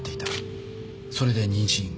それで妊娠。